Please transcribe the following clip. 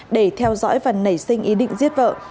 để theo dõi và nảy sinh ý định giết vợ